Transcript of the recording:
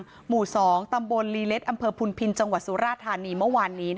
หรั่งหมู่สองตำบลลีเล็คอัมเภอภุลพินตร์จังหวะสุราภารีเมื่อวานนี้